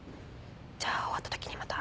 じゃ終わったときにまた。